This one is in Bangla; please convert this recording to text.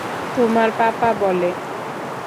তোমার পাপা বলে।